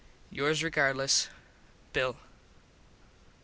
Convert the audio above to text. Yours regardless, _Bill.